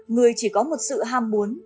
người chỉ có một sự ham muốn